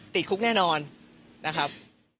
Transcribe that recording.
ติดคุกแน่นอนนะครับ